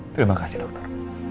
terima kasih dokter